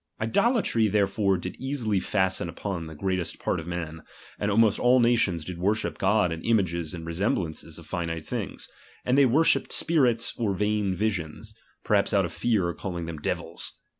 Idolatry tterefore did easily fasten upon the greatest part of men ; and almost all nations did worship God in images and resemblances of finite things ; and they worshipped spirits or vain visions, perhaps cut of fear calling them devils.